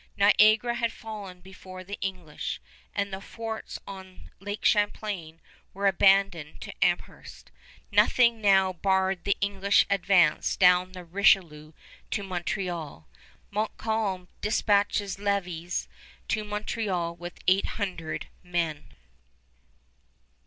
Niagara had fallen before the English, and the forts on Lake Champlain were abandoned to Amherst. Nothing now barred the English advance down the Richelieu to Montreal. Montcalm dispatches Lévis to Montreal with eight hundred men.